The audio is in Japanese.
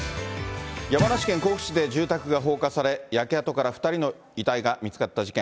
山梨県甲府市で住宅が放火され、焼け跡から２人の遺体が見つかった事件。